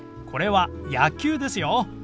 これは「野球」ですよ。